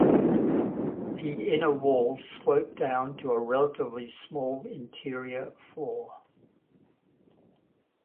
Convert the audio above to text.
The inner walls slope down to a relatively small interior floor.